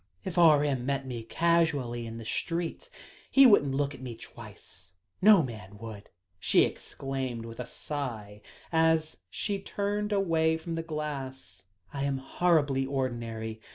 "If R.M. met me casually in the street, he wouldn't look at me twice no man would," she exclaimed with a sigh, as she turned away from the glass, "I am horribly ordinary.